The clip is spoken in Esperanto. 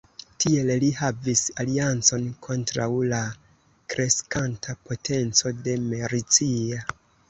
Tiel li havis aliancon kontraŭ la kreskanta potenco de Mercia.